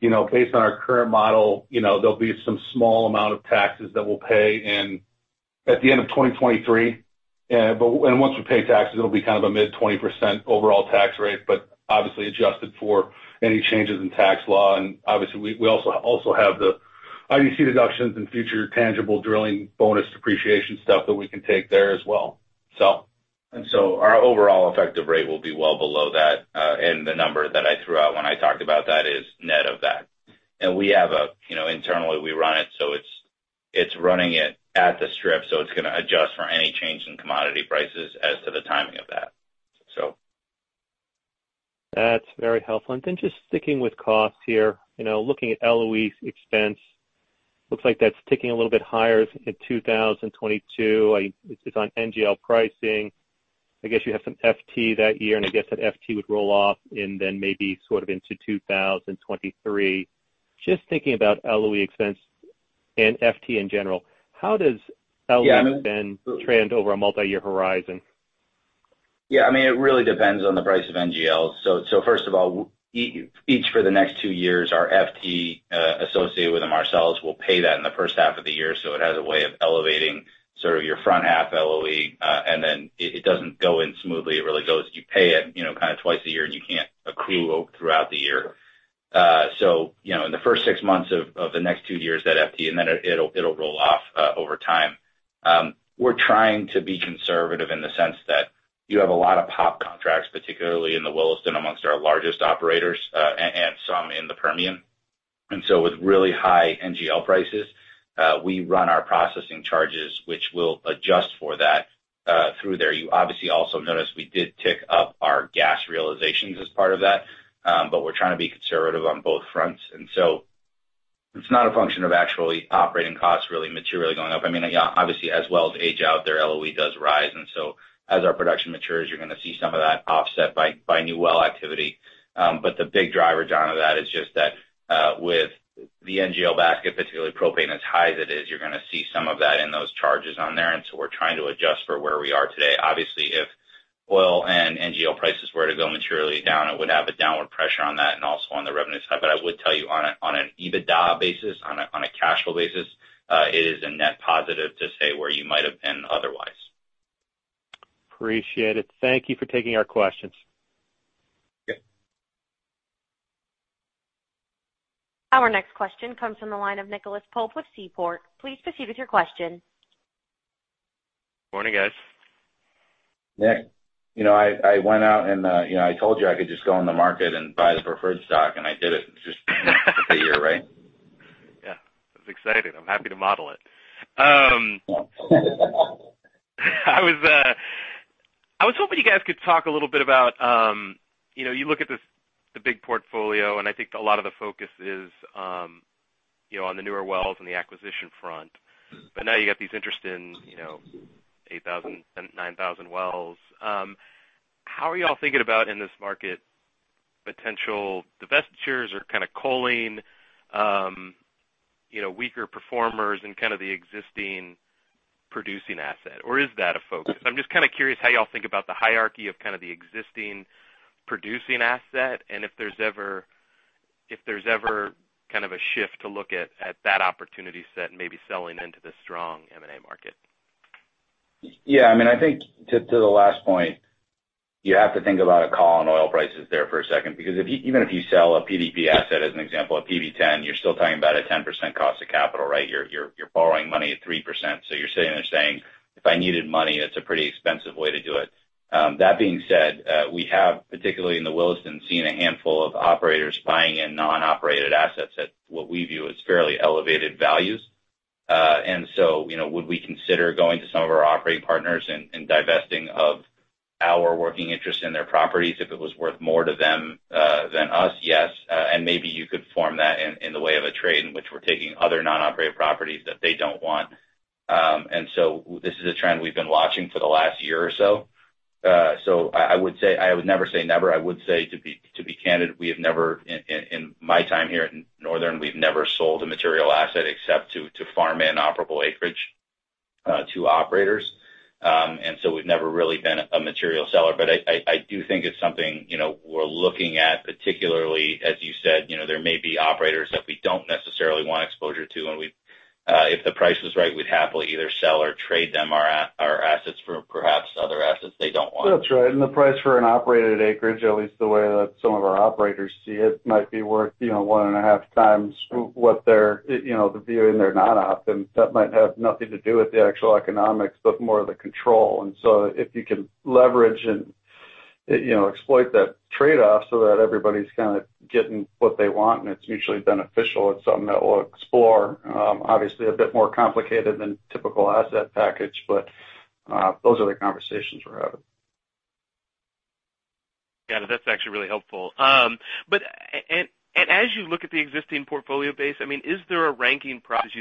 you know, based on our current model, you know, there'll be some small amount of taxes that we'll pay in at the end of 2023. Once we pay taxes, it'll be kind of a mid-20% overall tax rate, but obviously adjusted for any changes in tax law. Obviously, we also have the IDC deductions and future tangible drilling bonus depreciation stuff that we can take there as well. Our overall effective rate will be well below that. The number that I threw out when I talked about that is net of that. You know, internally, we run it, so it's running it at the strip, so it's gonna adjust for any change in commodity prices as to the timing of that. That's very helpful. Just sticking with costs here, you know, looking at LOE expense, looks like that's ticking a little bit higher in 2022. It's on NGL pricing. I guess you have some FT that year, and I guess that FT would roll off and then maybe sort of into 2023. Just thinking about LOE expense and FT in general, how does LOE then trend over a multiyear horizon? Yeah, I mean, it really depends on the price of NGL. First of all, each for the next two years, our FT associated with the Marcellus will pay that in the first half of the year, so it has a way of elevating sort of your front half LOE, and then it doesn't go in smoothly. It really goes, you pay it, you know, kind of twice a year, and you can't accrue throughout the year. So, you know, in the first six months of the next two years, that FT, and then it'll roll off over time. We're trying to be conservative in the sense that you have a lot of POP contracts, particularly in the Williston amongst our largest operators, and some in the Permian. With really high NGL prices, we run our processing charges, which will adjust for that, through there. You obviously also noticed we did tick up our gas realizations as part of that, but we're trying to be conservative on both fronts. It's not a function of actually operating costs really materially going up. I mean, obviously, as wells age out, their LOE does rise. As our production matures, you're gonna see some of that offset by new well activity. But the big driver, John, of that is just that, with the NGL basket, particularly propane, as high as it is, you're gonna see some of that in those charges on there. We're trying to adjust for where we are today. Obviously, if oil and NGL prices were to go materially down, it would have a downward pressure on that and also on the revenue side. I would tell you on an EBITDA basis, on a cash flow basis, it is a net positive to say where you might have been otherwise. Appreciate it. Thank you for taking our questions. Okay. Our next question comes from the line of Nicholas Pope with Seaport. Please proceed with your question. Morning, guys. Nick, you know, I went out and, you know, I told you I could just go on the market and buy the preferred stock, and I did it just to figure, right? Yeah. It's exciting. I'm happy to model it. I was hoping you guys could talk a little bit about, you know, you look at this, the big portfolio, and I think a lot of the focus is, you know, on the newer wells and the acquisition front. But now you got these interest in, you know, 8,000, 9,000 wells. How are you all thinking about in this market potential divestitures or kind of culling, you know, weaker performers in kind of the existing producing asset? Or is that a focus? I'm just kind of curious how you all think about the hierarchy of kind of the existing producing asset and if there's ever kind of a shift to look at that opportunity set and maybe selling into the strong M&A market. Yeah. I mean, I think to the last point, you have to think about a call on oil prices there for a second because if even if you sell a PDP asset, as an example, a PV-10, you're still talking about a 10% cost of capital, right? You're borrowing money at 3%. So you're sitting there saying, "If I needed money, that's a pretty expensive way to do it." That being said, we have, particularly in the Williston, seen a handful of operators buying in non-operated assets at what we view as fairly elevated values. You know, would we consider going to some of our operating partners and divesting of our working interest in their properties, if it was worth more to them than us, yes, and maybe you could frame that in the way of a trade in which we're taking other non-operated properties that they don't want. This is a trend we've been watching for the last year or so. I would say I would never say never. I would say to be candid, we have never in my time here at Northern, we've never sold a material asset except to farm out non-operated acreage to operators. We've never really been a material seller. I do think it's something, you know, we're looking at, particularly, as you said, you know, there may be operators that we don't necessarily want exposure to, and we, if the price was right, we'd happily either sell or trade them our assets for perhaps other assets they don't want. That's right. The price for an operated acreage, at least the way that some of our operators see it, might be worth, you know, one and a half times what they're, you know, the view in their non-op, and that might have nothing to do with the actual economics, but more the control. If you can leverage and, you know, exploit that trade-off so that everybody's kind of getting what they want and it's mutually beneficial, it's something that we'll explore. Obviously a bit more complicated than typical asset package, but those are the conversations we're having. Yeah, that's actually really helpful. As you look at the existing portfolio base, I mean, as you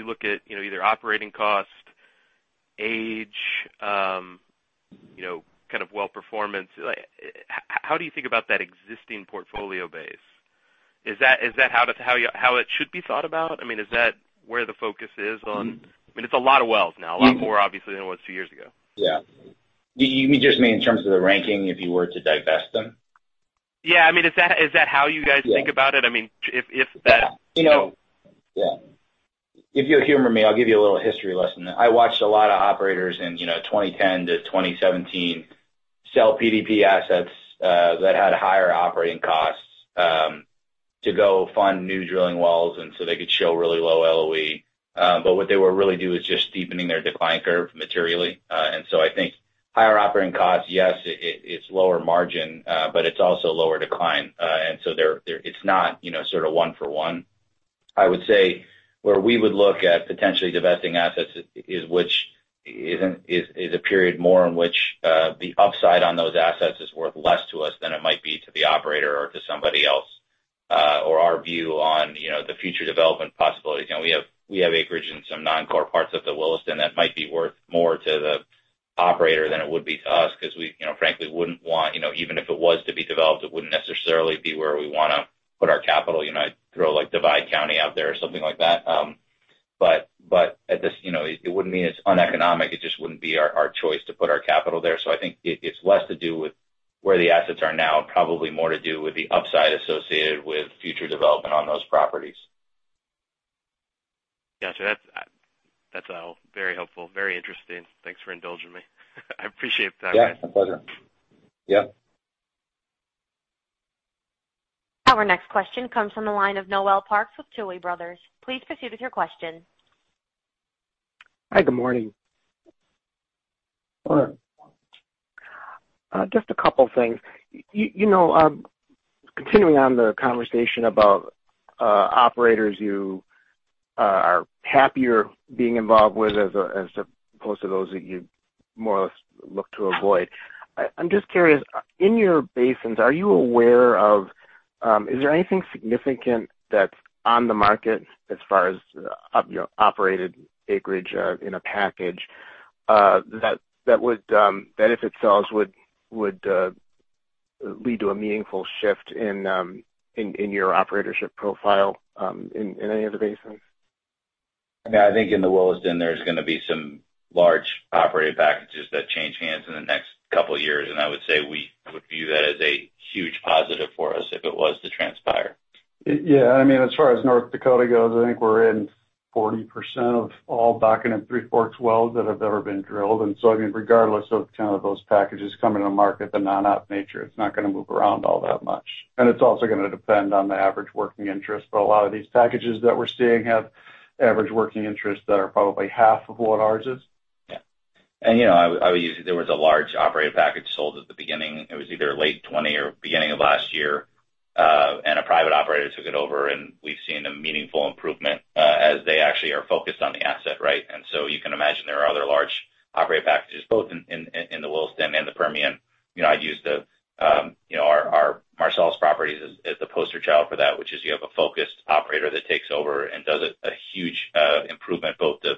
look at, you know, either operating cost, age, you know, kind of well performance, like how do you think about that existing portfolio base? Is that how it should be thought about? I mean, is that where the focus is on? I mean, it's a lot of wells now, a lot more obviously than it was two years ago. Yeah. You just mean in terms of the ranking, if you were to divest them? Yeah. I mean, is that how you guys think about it? I mean, if that, you know. Yeah. If you'll humor me, I'll give you a little history lesson. I watched a lot of operators in, you know, 2010-2017 sell PDP assets that had higher operating costs to go fund new drilling wells, and so they could show really low LOE. What they would really do is just deepening their decline curve materially. I think higher operating costs, yes, it's lower margin, but it's also lower decline. They're it's not, you know, sort of one for one. I would say where we would look at potentially divesting assets is a period more in which the upside on those assets is worth less to us than it might be to the operator or to somebody else, or our view on, you know, the future development possibilities. You know, we have acreage in some non-core parts of the Williston that might be worth more to the operator than it would be to us because we, you know, frankly wouldn't want, you know, even if it was to be developed, it wouldn't necessarily be where we wanna put our capital, you know, throw like Divide County out there or something like that. But at this, you know, it wouldn't mean it's uneconomic, it just wouldn't be our choice to put our capital there. I think it's less to do with where the assets are now, probably more to do with the upside associated with future development on those properties. Got you. That's very helpful, very interesting. Thanks for indulging me. I appreciate the time. Yeah, my pleasure. Yeah. Our next question comes from the line of Noel Parks with Tuohy Brothers. Please proceed with your question. Hi, good morning. Good morning. Just a couple things. You know, continuing on the conversation about operators you are happier being involved with as opposed to those that you more or less look to avoid. I'm just curious, in your basins, are you aware of is there anything significant that's on the market as far as you know, operated acreage in a package that would, if it sells, lead to a meaningful shift in your operatorship profile in any of the basins? Yeah. I think in the Williston, there's gonna be some large operated packages that change hands in the next couple years. I would say we would view that as a huge positive for us if it was to transpire. Yeah. I mean, as far as North Dakota goes, I think we're in 40% of all Bakken and Three Forks wells that have ever been drilled. I mean, regardless of kind of those packages coming to market, the non-op nature, it's not gonna move around all that much. It's also gonna depend on the average working interest. A lot of these packages that we're seeing have average working interests that are probably half of what ours is. You know, I would usually. There was a large operated package sold at the beginning. It was either late 2020 or beginning of last year, and a private operator took it over, and we've seen a meaningful improvement, as they actually are focused on the asset, right? You can imagine there are other large operated packages both in the Williston and the Permian. You know, I'd use the you know our Marcellus properties as the poster child for that, which is you have a focused operator that takes over and does a huge improvement, both the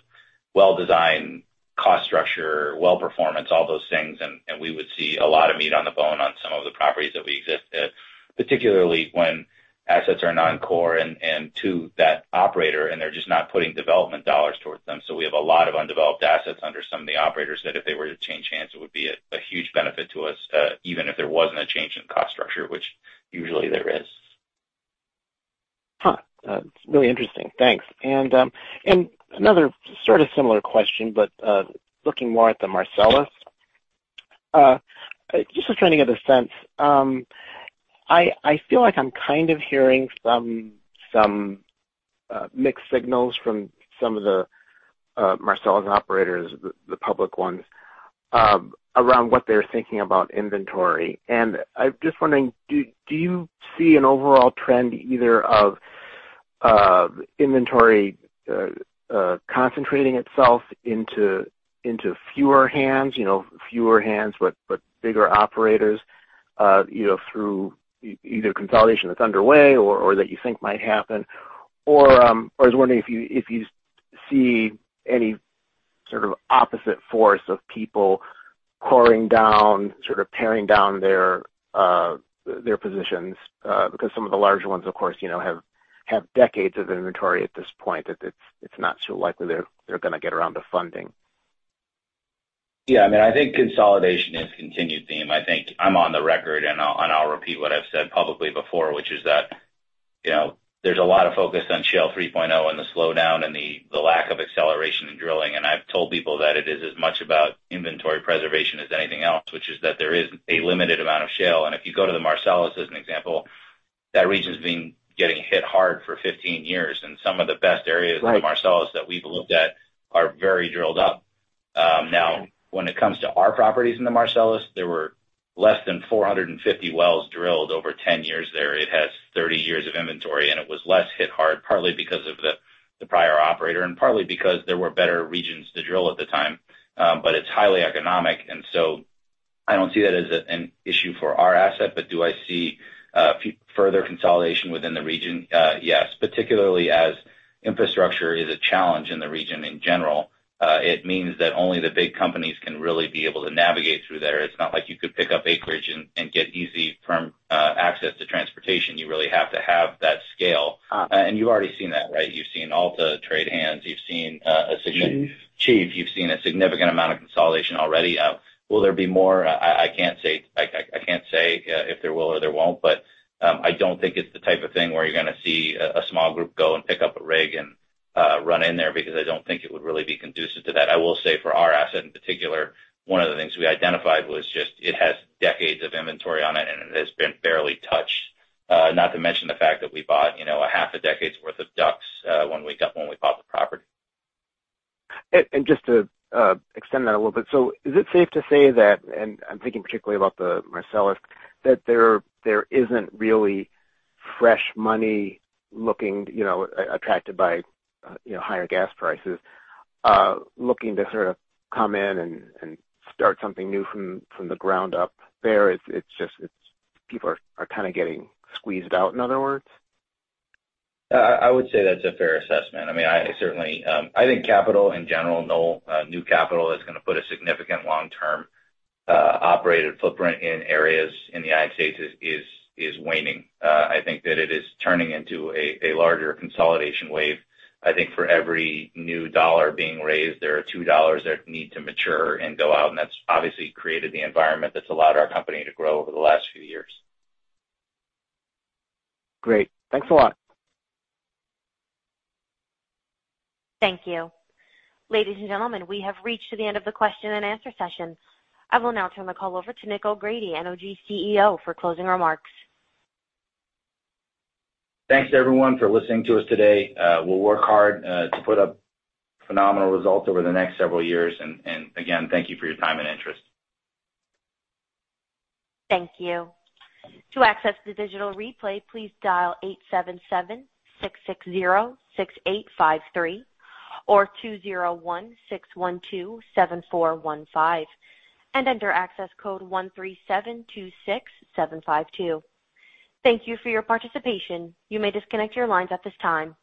well design, cost structure, well performance, all those things, and we would see a lot of meat on the bone on some of the properties that we exist at, particularly when assets are non-core and to that operator, and they're just not putting development dollars towards them. We have a lot of undeveloped assets under some of the operators that if they were to change hands, it would be a huge benefit to us, even if there wasn't a change in cost structure, which usually there is. That's really interesting. Thanks. Another sort of similar question, but looking more at the Marcellus. Just for trying to get a sense, I feel like I'm kind of hearing some mixed signals from some of the Marcellus operators, the public ones, around what they're thinking about inventory. I'm just wondering, do you see an overall trend either of inventory concentrating itself into fewer hands, you know, but bigger operators, you know, through either consolidation that's underway or that you think might happen. I was wondering if you see any sort of opposite force of people powering down, sort of paring down their positions, because some of the larger ones, of course, you know, have decades of inventory at this point that it's not so likely they're gonna get around to funding. Yeah. I mean, I think consolidation is a continued theme. I think I'm on the record, and I'll repeat what I've said publicly before, which is that, you know, there's a lot of focus on Shale 3.0 and the slowdown and the lack of acceleration in drilling. I've told people that it is as much about inventory preservation as anything else, which is that there is a limited amount of shale. If you go to the Marcellus as an example, that region's been getting hit hard for 15 years, and some of the best areas Right. Of the Marcellus that we've looked at are very drilled up. Now when it comes to our properties in the Marcellus, there were less than 450 wells drilled over 10 years there. It has 30 years of inventory, and it was less hit hard, partly because of the prior operator and partly because there were better regions to drill at the time. It's highly economic, and so I don't see that as an issue for our asset. Do I see further consolidation within the region? Yes, particularly as infrastructure is a challenge in the region in general. It means that only the big companies can really be able to navigate through there. It's not like you could pick up acreage and get easy firm access to transportation. You really have to have that scale. You've already seen that, right? You've seen Alta trade hands. You've seen a signi- Chief. Chief, you've seen a significant amount of consolidation already. Will there be more? I can't say if there will or there won't, but I don't think it's the type of thing where you're gonna see a small group go and pick up a rig and run in there because I don't think it would really be conducive to that. I will say for our asset in particular, one of the things we identified was just it has decades of inventory on it, and it has been barely touched. Not to mention the fact that we bought, you know, a half a decade's worth of DUCs when we bought the property. Just to extend that a little bit, is it safe to say that, and I'm thinking particularly about the Marcellus, that there isn't really fresh money looking, you know, attracted by, you know, higher gas prices, looking to sort of come in and start something new from the ground up there. It's just people are kind of getting squeezed out, in other words? I would say that's a fair assessment. I mean, I certainly think capital in general, new capital is gonna put a significant long-term operator footprint in areas in the United States is waning. I think that it is turning into a larger consolidation wave. I think for every new dollar being raised, there are $2 that need to mature and go out, and that's obviously created the environment that's allowed our company to grow over the last few years. Great. Thanks a lot. Thank you. Ladies and gentlemen, we have reached to the end of the question and answer session. I will now turn the call over to Nick O'Grady, NOG CEO, for closing remarks. Thanks everyone for listening to us today. We'll work hard to put up phenomenal results over the next several years. Again, thank you for your time and interest. Thank you. To access the digital replay, please dial eight seven seven six six zero six eight five three or two zero one six one two seven four one five and enter access code one three seven two six seven five two. Thank you for your participation. You may disconnect your lines at this time.